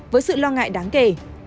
với sự lo ngại đáng kể